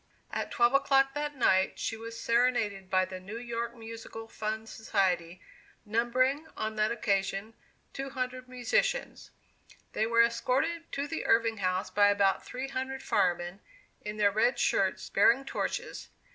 At twelve o'clock that night, she was serenaded by the New York Musical Fund Society, numbering, on that occasion, two hundred musicians. They were escorted to the Irving House by about three hundred firemen, in their red shirts, bearing torches.